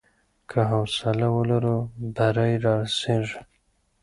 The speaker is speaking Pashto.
که حوصله ولرو، بری رارسېږي.